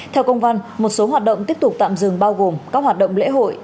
theo công văn một số hoạt động tiếp tục tạm dừng bao gồm các hoạt động lễ hội